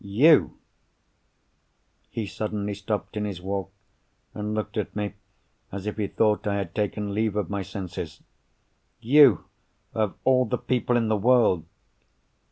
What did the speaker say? "You!" He suddenly stopped in his walk, and looked at me as if he thought I had taken leave of my senses. "You, of all the people in the world!"